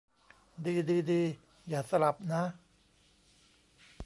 ดีดีดี อย่าสลับ นะ